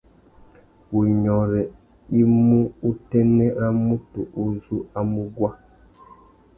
Wunyôrê i mú utênê râ mutu u zú a mú guá.